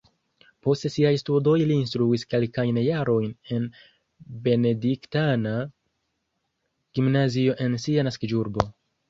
Post siaj studoj li instruis kelkajn jarojn en benediktana gimnazio en sia naskiĝurbo.